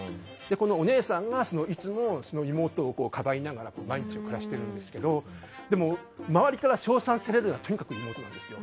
このお姉さんがいつも妹をかばいながら毎日を暮らしているんですが周りから称賛されるのはとにかく妹なんですよ。